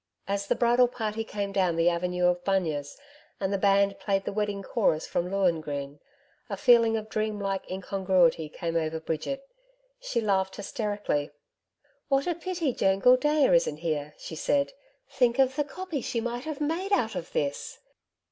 As the bridal party came down the avenue of bunyas, and the band played the Wedding Chorus from LOHENGRIN a feeling of dream like incongruity came over Bridget. She laughed hysterically. 'What a pity Joan Gildea isn't here!' she said. 'Think of the "copy" she might have made out of this!'